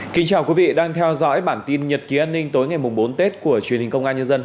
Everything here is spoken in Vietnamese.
chào mừng quý vị đến với bản tin nhật ký an ninh tối ngày bốn tết của truyền hình công an nhân dân